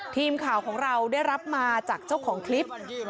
ทีมข่าวของเราได้รับมาจากเจ้าของคลิป